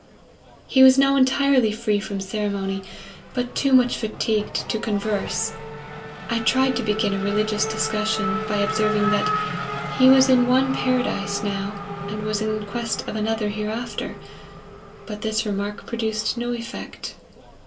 He was now entirely free from ceremony, but too much fatigued to con verse. I tried to begin a religious discussion, by observing that' 4 he was in one paradise now, and was in quest of another hereafter,' but this remark produced no effect."